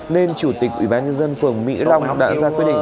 nên chủ tịch ủy ban nhân dân phường mỹ long đã ra quyết định